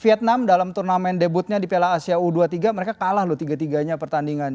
vietnam dalam turnamen debutnya di piala asia u dua puluh tiga mereka kalah loh tiga tiganya pertandingan